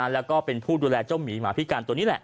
แล้วก็เป็นผู้ดูแลเจ้าหมีหมาพิการตัวนี้แหละ